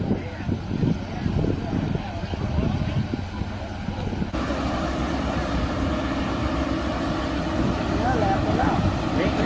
หรือว่าเกิดอะไรขึ้น